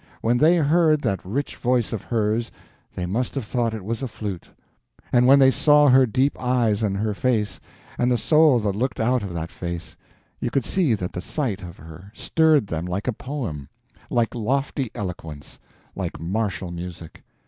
When they heard that rich voice of hers they must have thought it was a flute; and when they saw her deep eyes and her face, and the soul that looked out of that face, you could see that the sight of her stirred them like a poem, like lofty eloquence, like martial music.